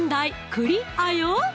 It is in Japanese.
「クリア」よ